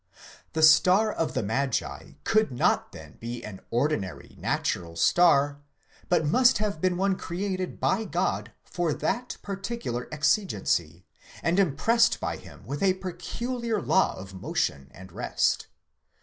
The star of the magi could not then be an ordinary, natural star, but must have been one created by God for that particular exigency, and impressed by him with a peculiar law of motion and rest.!